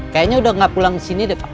kayaknya udah nggak pulang ke sini pak